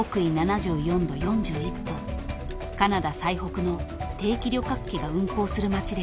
［カナダ最北の定期旅客機が運航する町でした］